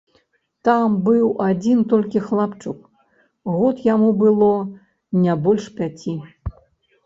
Там быў адзін толькі хлапчук, год яму было не больш пяці.